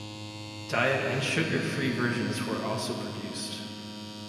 Diet and sugar free versions were also produced.